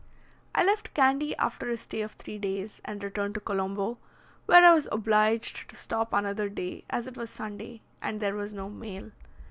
I left Candy after a stay of three days, and returned to Colombo, where I was obliged to stop another day, as it was Sunday, and there was no mail.